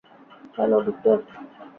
Hello, Victor?